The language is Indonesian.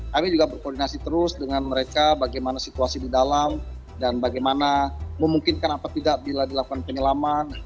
kami juga berkoordinasi terus dengan mereka bagaimana situasi di dalam dan bagaimana memungkinkan apa tidak bila dilakukan penyelaman